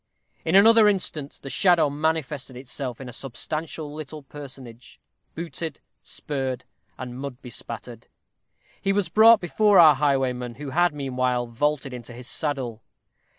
In another instant the shadow manifested itself in a substantial little personage, booted, spurred, and mud bespattered. He was brought before our highwayman, who had, meanwhile, vaulted into his saddle.